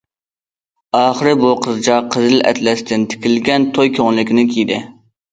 ئاخىرى بۇ قىزچاق قىزىل ئەتلەستىن تىكىلگەن توي كۆڭلىكىنى كىيدى.